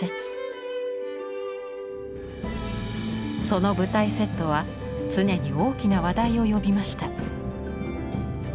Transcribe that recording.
その舞台セットは常に大きな話題を呼びました。